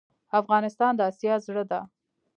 افغانستان د اسیا زړه ده